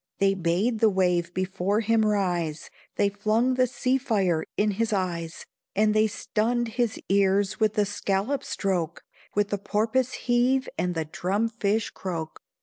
They bade the wave before him rise; They flung the sea fire in his eyes, And they stunned his ears with the scallop stroke, With the porpoise heave and the drum fish croak.